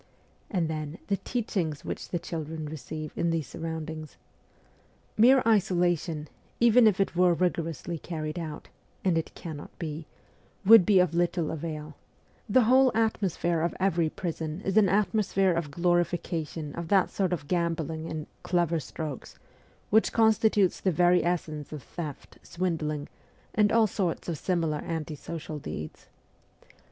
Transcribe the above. And then, the teachings which the children receive in these surroundings 1 Mere isolation, even if it were rigorously carried out and it cannot be would be of little avail ; the whole atmosphere of every prison is an atmosphere of glorification of that sort of gam bling in 'clever strokes' which constitutes the very essence of theft, swindling, and all sorts of similar anti social deeds.